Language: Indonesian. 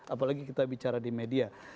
apalagi kita bicara di media